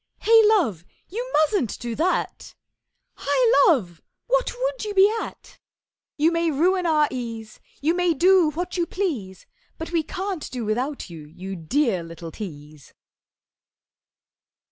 'Hey, Love, you mustn't do that! Hi, Love, what would you be at? You may ruin our ease, You may do what you please, But we can't do without you, you dear little tease!